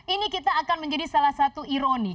ini kita akan menjadi salah satu ironi